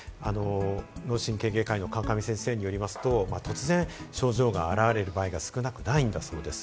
脳神経外科医の川上先生に伺いますと、突然、症状が現れる場合が少なくないんだそうです。